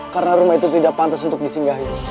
karena rumah itu tidak pantas untuk disinggahi